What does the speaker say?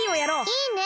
いいね！